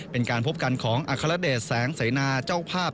เป็นการพบกันของอัครเดชแสงเสนาเจ้าภาพ